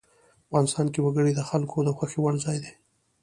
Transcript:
افغانستان کې وګړي د خلکو د خوښې وړ ځای دی.